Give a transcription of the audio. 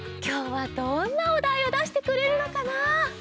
きょうはどんなおだいをだしてくれるのかな？